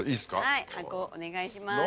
はい箱をお願いします。